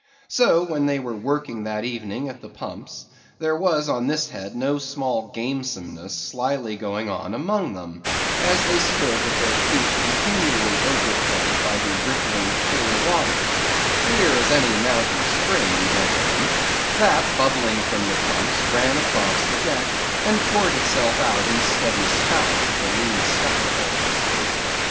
So when they were working that evening at the pumps, there was on this head no small gamesomeness slily going on among them, as they stood with their feet continually overflowed by the rippling clear water; clear as any mountain spring, gentlemen—that bubbling from the pumps ran across the deck, and poured itself out in steady spouts at the lee scupper holes.